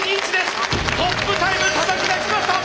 トップタイムたたき出しました！